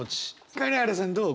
金原さんどう？